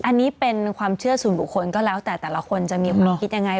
อันนี้เป็นความเชื่อส่วนบุคคลก็แล้วแต่แต่ละคนจะมีความคิดยังไง